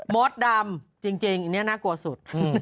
มดดำจริงอันนี้น่ากลัวสุด